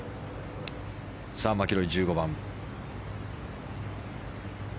さあマキロイ、１５番。